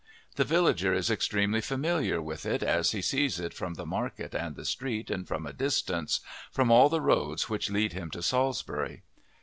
The villager is extremely familiar with it as he sees it from the market and the street and from a distance, from all the roads which lead him to Salisbury.